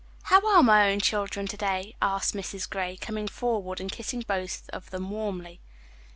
"How are my own children to day," asked Mrs. Gray, coming forward and kissing both of them warmly.